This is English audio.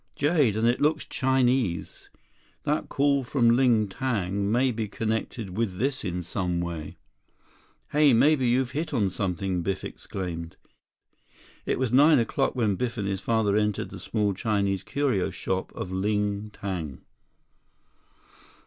"Jade, and it looks Chinese. That call from Ling Tang may be connected with this in some way." "Hey! Maybe you've hit on something!" Biff exclaimed. It was nine o'clock when Biff and his father entered the small Chinese curio shop of Ling Tang.